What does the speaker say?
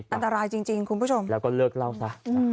อันตรายจริงคุณผู้ชมแล้วก็เลิกเล่าซะ